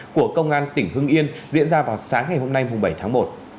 của công an tỉnh hưng yên diễn ra vào sáng ngày hôm nay bảy tháng một